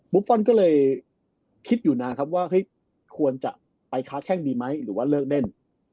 บุฟฟอลก็เลยคิดอยู่นานว่าควรจะไปค้าแข้งดีไหมหรือเลิกเล่น